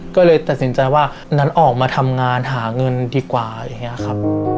ก็เลยตัดสินใจว่านั้นออกมาทำงานหาเงินดีกว่า